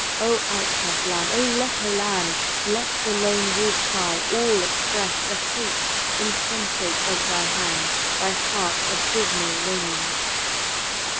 O outcast land! O leper land! Let the lone wolf cry all express The hate insensate of thy hand, Thy heart's abysmal loneliness.